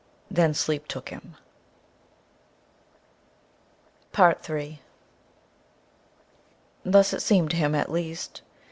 Then sleep took him.... III Thus, it seemed to him, at least.